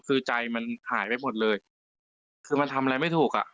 คือใจมันหายไปหมดเลยคือมันทำอะไรไม่ถูกอ่ะ